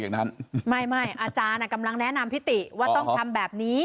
อย่างนั้นไม่ไม่อาจารย์อ่ะกำลังแนะนำพี่ติว่าต้องทำแบบนี้